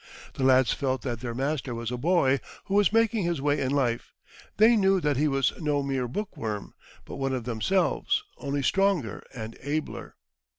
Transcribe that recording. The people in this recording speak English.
The lads felt that their master was a boy who was making his way in life; they knew that he was no mere bookworm, but one of themselves, only stronger and abler.